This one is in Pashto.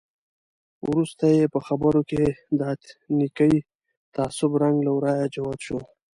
وروسته یې په خبرو کې د اتنیکي تعصب رنګ له ورایه جوت شو.